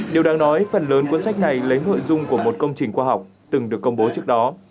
điều đáng nói phần lớn cuốn sách này lấy nội dung của một công trình khoa học từng được công bố trước đó